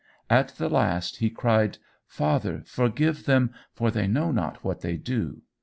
At the last he cried, Father forgive them, for they know not what they do.